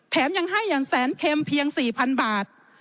ยังให้อย่างแสนเค็มเพียง๔๐๐๐บาท